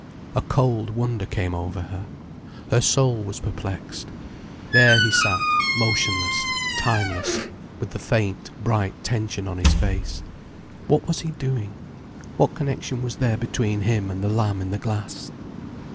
A cold wonder came over her—her soul was perplexed. There he sat, motionless, timeless, with the faint, bright tension on his face. What was he doing? What connection was there between him and the lamb in the glass?